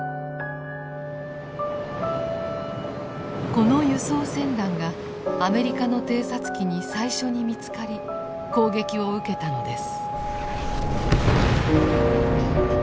この輸送船団がアメリカの偵察機に最初に見つかり攻撃を受けたのです。